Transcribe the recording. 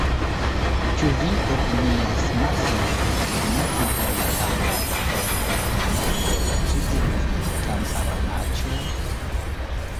Ĉu vi opinias, malsaĝulo, ke ni interbatalas per bastonegoj, kiel vi, kamparanaĉoj?